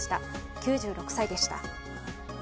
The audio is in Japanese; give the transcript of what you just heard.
９６歳でした。